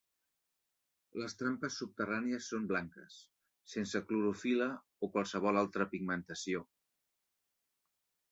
Les trampes subterrànies són blanques, sense clorofil·la o qualsevol altra pigmentació.